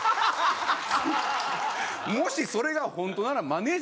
もしそれが本当ならマネジャー